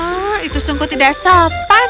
oh itu sungguh tidak sopan